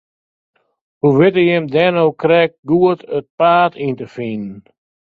Hoe witte jim dêr no krekt goed it paad yn te finen?